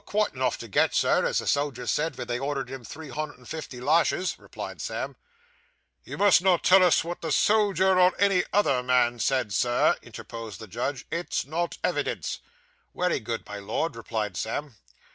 'Oh, quite enough to get, Sir, as the soldier said ven they ordered him three hundred and fifty lashes,' replied Sam. 'You must not tell us what the soldier, or any other man, said, Sir,' interposed the judge; 'it's not evidence.' 'Wery good, my Lord,' replied Sam.